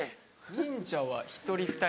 忍者は１人２人。